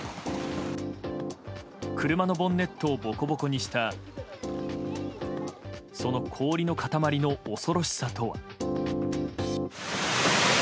車のボンネットをボコボコにしたその氷の塊の恐ろしさとは。